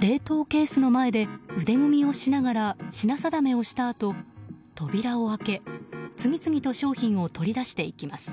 冷凍ケースの前で腕組みをしながら品定めをしたあと扉を開け次々と商品を取り出していきます。